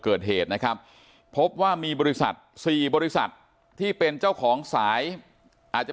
เกิดเหตุนะครับพบว่ามีบริษัทสี่บริษัทที่เป็นเจ้าของสายอาจจะ